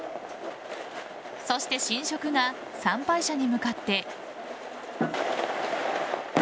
そして神職が参拝者に向かって。